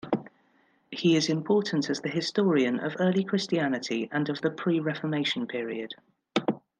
He is important as the historian of early Christianity and of the pre-Reformation period.